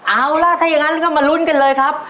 เอาล่ะถ้าอย่างนั้นก็มาลุ้นกันเลยครับ